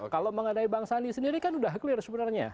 kalau mengenai bang sandi sendiri kan sudah clear sebenarnya